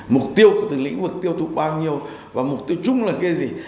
mục tiêu của từng lĩnh vực tiêu thụ bao nhiêu và mục tiêu chung là cái gì